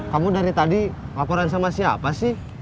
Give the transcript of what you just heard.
kamu dari tadi laporan sama siapa sih